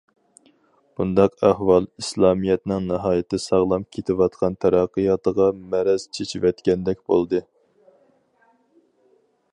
بۇنداق ئەھۋال ئىسلامىيەتنىڭ ناھايىتى ساغلام كېتىۋاتقان تەرەققىياتىغا مەرەز چېچىۋەتكەندەك بولدى.